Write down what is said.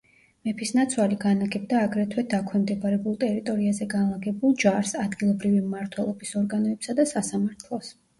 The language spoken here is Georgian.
მეფისნაცვალი განაგებდა აგრეთვე დაქვემდებარებულ ტერიტორიაზე განლაგებულ ჯარს, ადგილობრივი მმართველობის ორგანოებსა და სასამართლოს.